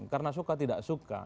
karena suka tidak suka